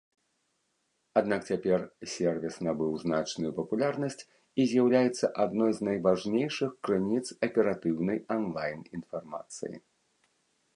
Аднак цяпер сервіс набыў значную папулярнасць і з'яўляецца адной з найважнейшых крыніц аператыўнай анлайн-інфармацыі.